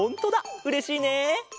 うれしいね。